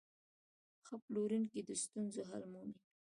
ښه پلورونکی د ستونزو حل مومي.